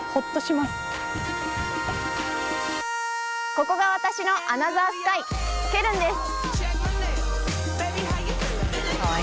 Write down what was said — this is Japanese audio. ここが私のアナザースカイケルンです！